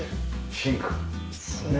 シンクも。